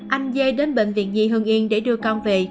anh dê đến bệnh viện nhi hương yên để đưa con về